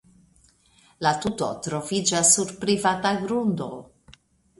La tuto troviĝas sur privata grundo.